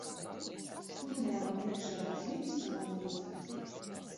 Uzņēmuma iekšējās vides analīze.